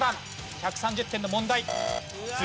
１３０点の問題。